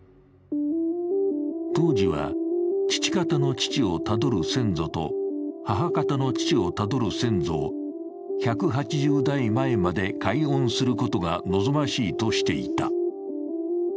当時は、父方の父をたどる先祖と母方の父をたどる先祖を１８０代前まで解怨することが望ましいとしていた。